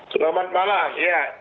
selamat malam iya